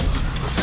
malin jangan lupa